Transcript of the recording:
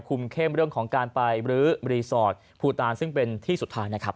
เข้มเรื่องของการไปบรื้อรีสอร์ทภูตานซึ่งเป็นที่สุดท้ายนะครับ